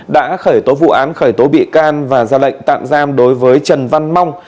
đã khởi tố vụ án khởi tố bị can và ra lệnh tạm giam đối với trần văn mong